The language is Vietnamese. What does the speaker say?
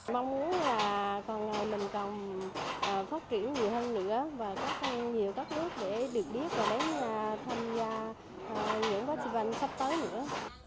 mong muốn là còn mình còn phát triển nhiều hơn nữa và có thêm nhiều các nước để được biết và đến tham gia những festival sắp tới nữa